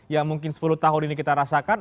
yang mungkin sepuluh tahun ini kita rasakan